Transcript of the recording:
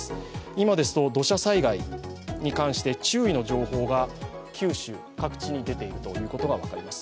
今ですと土砂災害について注意の情報が九州各地に出ているということが分かります。